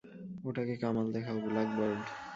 ওটাকে কামাল দেখাও, ব্ল্যাক বার্ড!